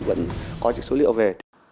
vẫn có những số liệu về